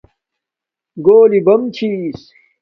گھولی بم چھس